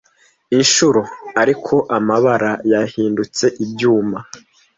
Inshuro, ariko amabara yahindutse ibyuma,